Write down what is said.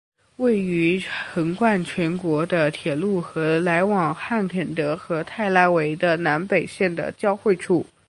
位于横贯全国的铁路和来往汉肯德和泰拉维的南北线的交汇处。